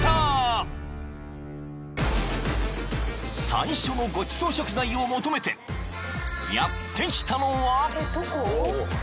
［最初のごちそう食材を求めてやって来たのは］